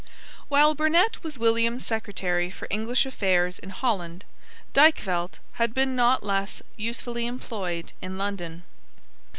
While Burnet was William's secretary for English affairs in Holland, Dykvelt had been not less usefully employed in London.